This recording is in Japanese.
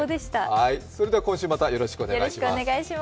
それでは今週また、よろしくお願いします。